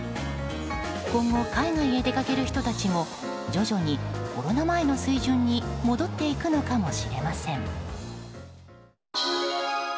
今後、海外へ出かける人たちも徐々にコロナ前の水準に戻っていくのかもしれません。